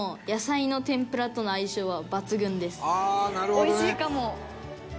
おいしいかも。